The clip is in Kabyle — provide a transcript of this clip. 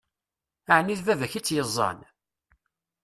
Ɛni d baba-k i tt-yeẓẓan?